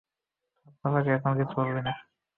তোর বাবাকে এখন কিছুই বলবি না।